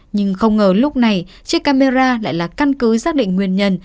nhưng không ngờ lúc này chiếc camera lại là căn cứ xác định nguyên nhân